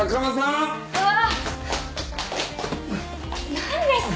何ですか？